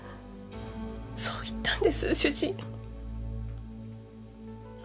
そう言ったんです主人。